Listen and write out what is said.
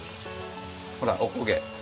ほらおこげ。